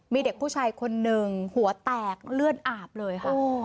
มีเด็กผู้ชายคนหนึ่งหัวแตกเลือดอาบเลยค่ะ